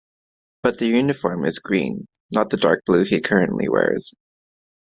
But their uniform is green, not the dark blue he currently wears.